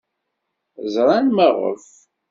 Ẓran maɣef.